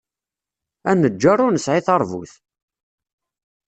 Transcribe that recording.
Aneǧǧaṛ ur nesɛi taṛbut!